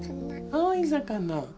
青い魚。